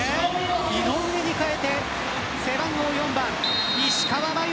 井上に代えて背番号４番石川真佑